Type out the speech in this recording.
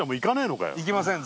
行きません。